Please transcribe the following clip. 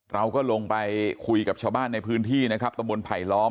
เราก็ลงไปคุยกับชาวบ้านในพื้นที่นะครับตะบนไผลล้อม